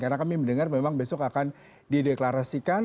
karena kami mendengar memang besok akan dideklarasikan